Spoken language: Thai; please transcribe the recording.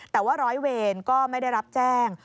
แต่ว่าร้อยเวรก็ไม่ได้รับแจ้ง